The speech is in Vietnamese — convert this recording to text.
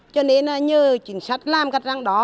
cho nên nhờ chính sách làm các răng đó